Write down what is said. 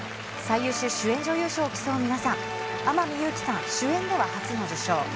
最優秀主演女優賞を競う皆さん、天海祐希さん、主演では初の受賞。